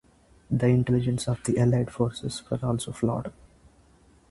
The intelligence of the Allied Air Forces were also flawed.